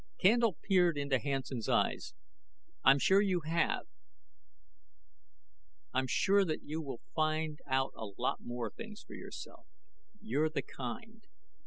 Candle peered into Hansen's eyes. "I'm sure you have. I'm sure that you will find out a lot more things for yourself. You're the kind.